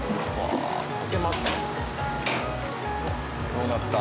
どうなった？